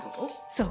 そう。